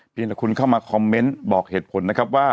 แต่คุณเข้ามาคอมเมนต์บอกเหตุผลนะครับว่า